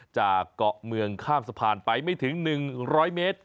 จากเกาะเมืองข้ามสะพานไปไม่ถึง๑๐๐เมตร